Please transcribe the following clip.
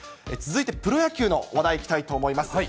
続いてプロ野球の話題いきたいと思います。